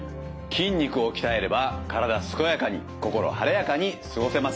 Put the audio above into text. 筋肉を鍛えれば体健やかに心晴れやかに過ごせます。